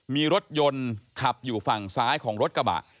มีรถยนต์ขับอยู่ฝั่งซ้ายของรถกระบะ